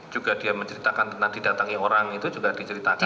juga dia menceritakan tentang didatangi orang itu juga diceritakan